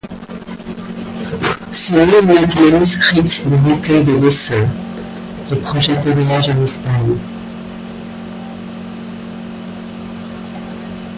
Selon une note manuscrite d'un recueil de dessins, il projette un voyage en Espagne.